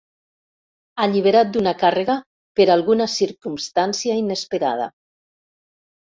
Alliberat d'una càrrega per alguna circumstància inesperada.